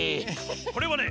これはね